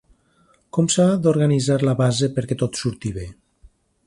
Com s’ha d’organitzar la base perquè tot surti bé?